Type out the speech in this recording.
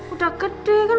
udah gede kan